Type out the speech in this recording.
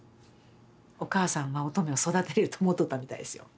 お母さんは音十愛を育てれると思うとったみたいですよ。